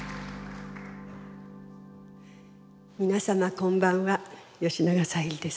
皆様こんばんは吉永小百合です。